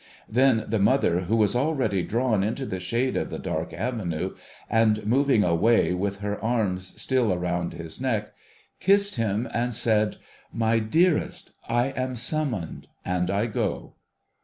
Tlien, the motlier, wlio was already drawn into the shade of the dark avenue and moving away with her arms still round his neck, kissed him, and said, ' My dearest, I am summoned, and I go